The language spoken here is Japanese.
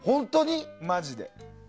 マジで。